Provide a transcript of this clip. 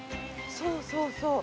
そうそうそう。